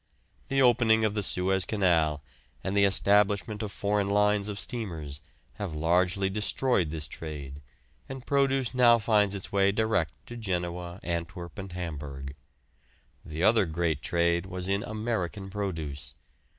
The opening of the Suez Canal, and the establishment of foreign lines of steamers, have largely destroyed this trade, and produce now finds its way direct to Genoa, Antwerp, and Hamburg. The other great trade was in American produce.